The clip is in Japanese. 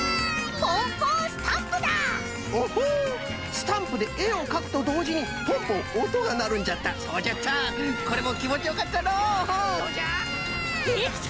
スタンプでえをかくとどうじにポンポンおとがなるんじゃったそうじゃったこれもきもちよかったのうできた！